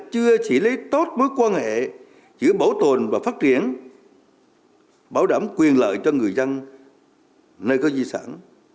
chưa chỉ lấy tốt mối quan hệ giữa bảo tồn và phát triển bảo đảm quyền lợi cho người dân nơi có di sản